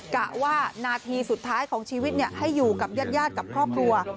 กะว่านาทีสุดท้ายของชีวิตให้อยู่กับญาติกับครอบครัว